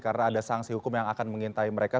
karena ada sanksi hukum yang akan mengintai mereka